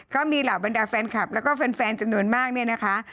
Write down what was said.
ก็มีเหล่าบรรดาแฟนคลับแล้วก็แฟนจำนวนมากเนี่ยนะคะ